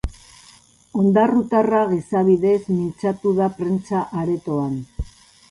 Ondarrutarra gizabidez mintzatu da prentsa aretoan.